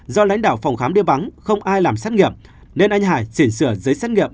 do lãnh đạo phòng khám đi bắn không ai làm xét nghiệm nên anh hải triển sửa giấy xét nghiệm